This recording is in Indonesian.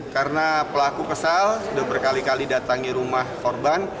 karena pelaku kesal sudah berkali kali datangi rumah korban